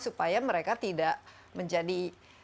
supaya mereka tidak menjadi